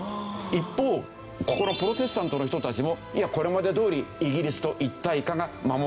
一方ここのプロテスタントの人たちもいやこれまでどおりイギリスと一体化が守られた。